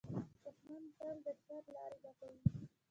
دښمن تل د شر لارې لټوي